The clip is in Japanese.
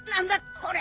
これ。